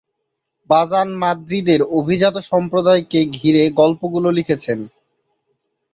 বাজান মাদ্রিদের অভিজাত সম্প্রদায়কে ঘিরে গল্পগুলো লিখেছেন।